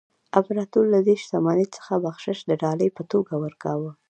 امپراتور له دې شتمنۍ څخه بخشش د ډالۍ په توګه ورکاوه.